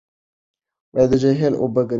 د جهیل اوبه ګرمېږي.